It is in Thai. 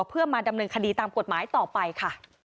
เพื่อมาดำเนินคดีตามกฎหมายต่อไปค่ะ